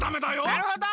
なるほど。